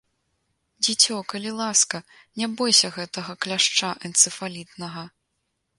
Дзіцё, калі ласка, ня бойся гэтага кляшча энцыфалітнага.